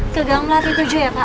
kegang lari tuju ya pak